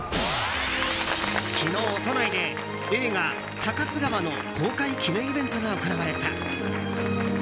昨日、都内で映画「高津川」の公開記念イベントが行われた。